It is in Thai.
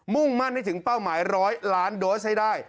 ่งมั่นให้ถึงเป้าหมาย๑๐๐ล้านโดสให้ได้